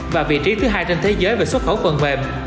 và vị trí thứ hai trên thế giới về xuất khẩu phần mềm